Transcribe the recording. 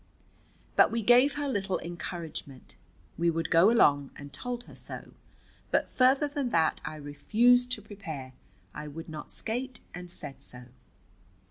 But we gave her little encouragement. We would go along, and told her so. But further than that I refused to prepare. I would not skate, and said so.